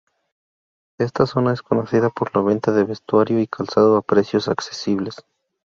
Esta zona es conocida por la venta de vestuario y calzado a precios accesibles.